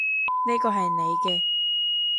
呢個係你嘅